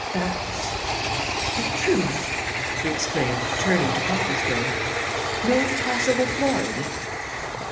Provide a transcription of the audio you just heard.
"That's the truth?" he exclaimed, turning to Copplestone. "No possible flaw in it?"